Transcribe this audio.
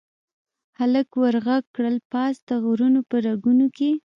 هلک ور ږغ کړل، پاس د غرونو په رګونو کې